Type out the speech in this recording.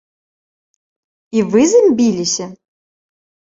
І вы з ім біліся?